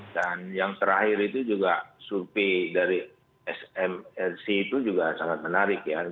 dan yang terakhir itu juga survei dari smrc itu juga sangat menarik ya